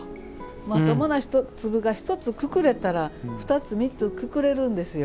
まともな１粒が１つ、くくれたら２つ、３つくくれるんですよ。